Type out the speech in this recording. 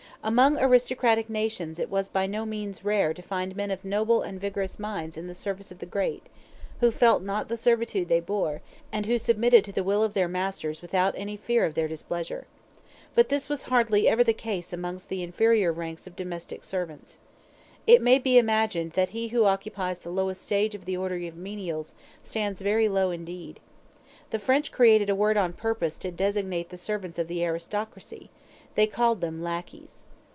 Amongst aristocratic nations it was by no means rare to find men of noble and vigorous minds in the service of the great, who felt not the servitude they bore, and who submitted to the will of their masters without any fear of their displeasure. But this was hardly ever the case amongst the inferior ranks of domestic servants. It may be imagined that he who occupies the lowest stage of the order of menials stands very low indeed. The French created a word on purpose to designate the servants of the aristocracy they called them lackeys.